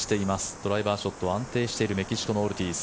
ドライバーショットは安定しているメキシコのオルティーズ。